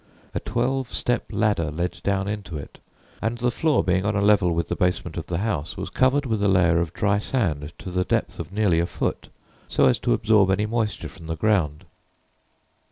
A twelve step ladder led down into it, and the floor being on a level with the basement of the house was covered with a layer of dry sand to the depth of nearly a foot, so as to absorb any moisture from the ground.